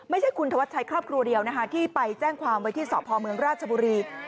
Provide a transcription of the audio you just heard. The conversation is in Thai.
ไม่ใช่คุณธวัชชัยครอบครัวเดียวนะคะที่ไปแจ้งความไว้ที่สพเมืองราชบุรี